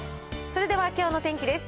それではきょうの天気です。